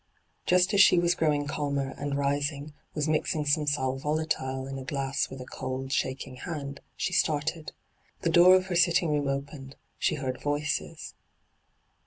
Just as she was growing calmer, and, rising, was mixing some sat volatile in a glass with a cold, shaking hand, she started. The door of her sitting room opened, she heard voices.